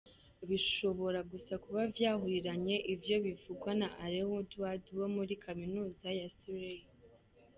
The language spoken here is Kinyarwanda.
Bishobora gusa kuba vyahuriranye,” ivyo bivugwa na Alan Woodward wo muri kaminuza ya Surrey.